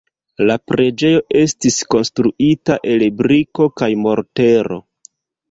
La preĝejo estis konstruita el briko kaj mortero.